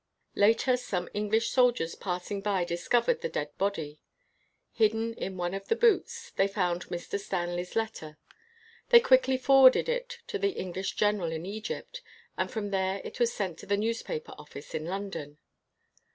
Later some English soldiers passing by discovered the dead body. Hidden in one of the boots, they found Mr. Stanley's letter. They quickly forwarded it to the English General in Egypt and from there it was sent to the newspaper office in London.